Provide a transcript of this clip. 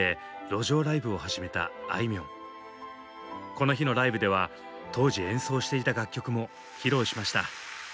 この日のライブでは当時演奏していた楽曲も披露しました。